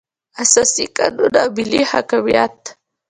اساسي قانون او ملي حاکمیت.